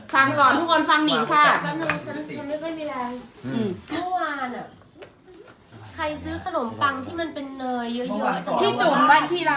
ฟังก่อนทุกคนฟังนิงค่ะ